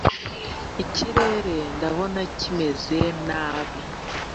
ikirere ndabona kimeza nabi